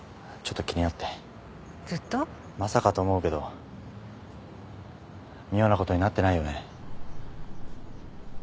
まさかと思うけど妙なことになってないよね？